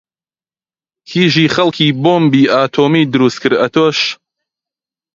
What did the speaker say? کیژی خەڵکی بۆمی ئاتۆمی دروست کرد و ئەتۆش